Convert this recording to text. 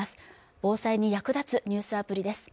防災に役立つニュースアプリです